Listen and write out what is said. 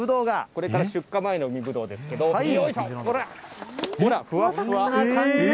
これが出荷前の海ぶどうですけれども、ほら。